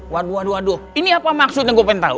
waduh waduh waduh ini apa maksudnya gua pengen tau